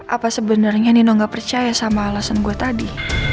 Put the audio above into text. apa sebenarnya nino nggak percaya sama alasan gue tadi